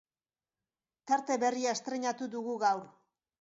Tarte berria estreinatu dugu gaur.